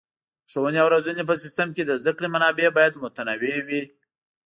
د ښوونې او روزنې په سیستم کې د زده کړې منابع باید متنوع وي.